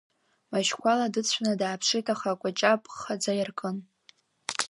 Машьқәала дыцәаны дааԥшит, аха акәаҷаб ххаӡа иаркын.